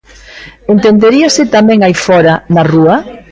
Entenderíase tamén aí fóra, na rúa?